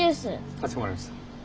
かしこまりました。